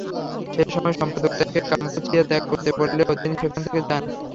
সেই সময় সম্পাদক তাঁকে কাম্পুচিয়া ত্যাগ করতে বললেও তিনি সেখানে থেকে যান।